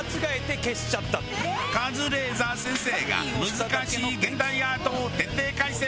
カズレーザー先生が難しい現代アートを徹底解説！